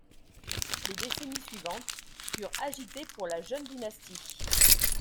Les décennies suivantes furent agitées pour la jeune dynastie.